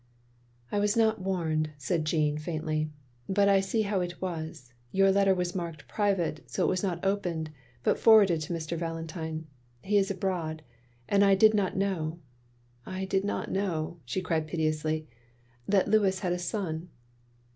" "I was not warned," said Jeanne, faintly, "but I see how it was — ^your letter was marked private, so it was not opened, but forwarded to Mr. Valentine. He is abroad. And I did not know — ^I did not know —" she cried piteously, "that Louis bad a son."